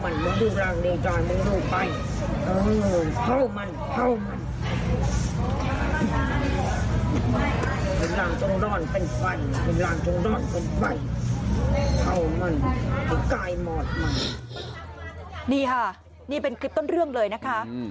นี่ค่ะนี่เป็นคลิปต้นเรื่องเลยนะคะ